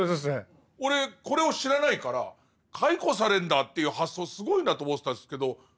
俺これを知らないから解雇されんだっていう発想すごいなと思ってたんですけど。